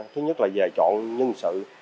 thứ nhất là về chọn nhân sự